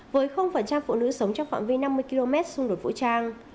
với phụ nữ sống trong khoảng viên năm mươi km xung đột vũ trang